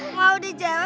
atau di geng